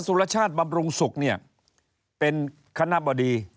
อสุรชาติบำรุงศุกร์เป็นขนบดี